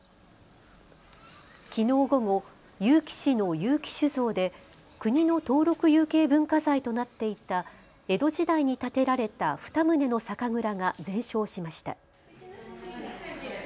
きのう午後、結城市の結城酒造で国の登録有形文化財となっていた江戸時代に建てられた２棟の酒蔵が全焼しました。